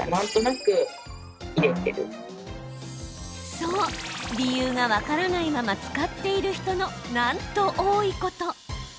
そう、理由が分からないまま使っている人の、なんと多いこと。